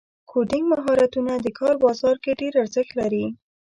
کوډینګ مهارتونه د کار بازار کې ډېر ارزښت لري.